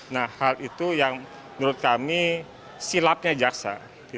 nah hal itu yang menurut kami silapnya jaksa